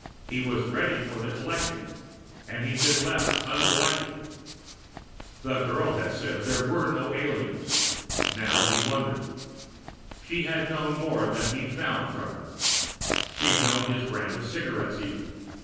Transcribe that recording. He was ready for the collecting and he'd been left uncollected! The girl had said there were no aliens. Now he wondered. She had known more than he'd found from her she'd known his brand of cigarettes, even.